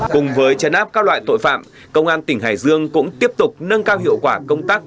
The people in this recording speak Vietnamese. cùng với chấn áp các loại tội phạm công an tỉnh hải dương cũng tiếp tục nâng cao hiệu quả công tác